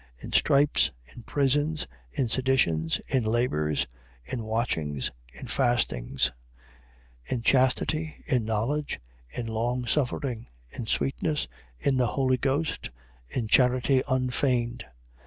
In stripes, in prisons, in seditions, in labours, in watchings, in fastings, 6:6. In chastity, in knowledge, in longsuffering, in sweetness, in the Holy Ghost, in charity unfeigned, 6:7.